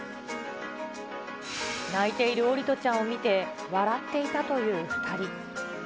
泣いている桜利斗ちゃんを見て笑っていたという２人。